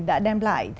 đã đem lại